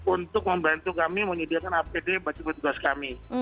untuk membantu kami menyediakan apd bagi petugas kami